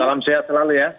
salam sehat selalu ya